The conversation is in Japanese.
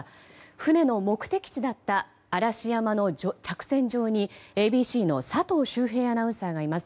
船の目的地だった嵐山の着船場に、ＡＢＣの佐藤修平アナウンサーがいます。